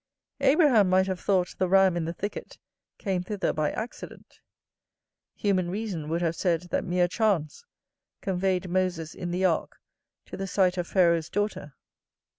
Abraham might have thought the ram in the thicket came thither by accident: human reason would have said that mere chance conveyed Moses in the ark to the sight of Pharaoh's daughter.